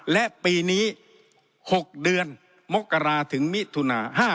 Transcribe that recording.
และปีนี้๖เดือนมกราถึงมิถุนา๕๗